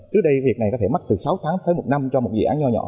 trước đây việc này có thể mất từ sáu tháng tới một năm cho một dự án nhỏ nhỏ